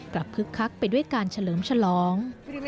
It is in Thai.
กลับพฤกษ์คักไปด้วยการเฉลิมฉล้อง